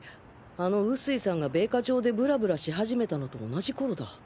あの臼井さんが米花町でブラブラし始めたのと同じ頃だ。